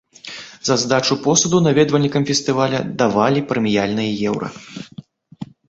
За здачу посуду наведвальнікам фестывалю давалі прэміяльныя еўра.